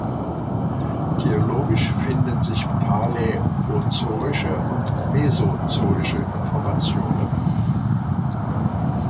Geologisch finden sich paläozoische und mesozoische Formationen.